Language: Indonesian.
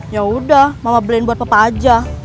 ya udah mama blain buat papa aja